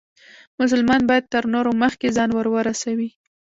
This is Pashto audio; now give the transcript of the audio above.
مسلمان باید تر نورو مخکې ځان ورورسوي.